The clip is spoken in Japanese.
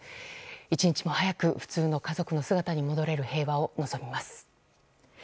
一日も早く普通の家族に戻れる平和を望みます。